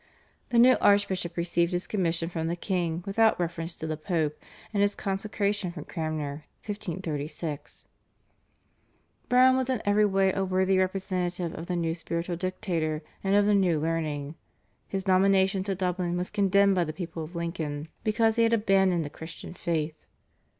The new archbishop received his commission from the king without reference to the Pope, and his consecration from Cranmer (1536). Browne was in every way a worthy representative of the new spiritual dictator and of the "new learning." His nomination to Dublin was condemned by the people of Lincoln because he had abandoned the Christian faith.